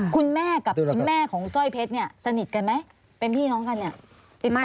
คุณแม่กับคุณแม่ของสร้อยเพชรเนี่ยสนิทกันไหมเป็นพี่น้องกันเนี่ย